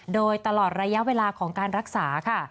โดยตลอดระยะเวลาของการรักษาค่ะ